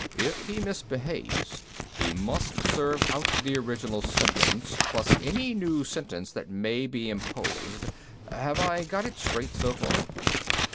If he misbehaves, he must serve out the original sentence, plus any new sentence that may be imposed. Have I got it straight so far?"